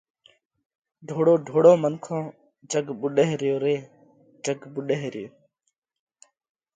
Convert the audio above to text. ڍوڙو ڍوڙو منکون، جڳ ٻُوڏئه ريو ري، جڳ ٻُوڏئه ريو۔